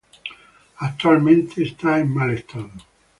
Actualmente está en mal estado.